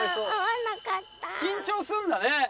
緊張するんだね。